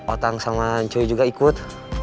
otang sama cui juga ikut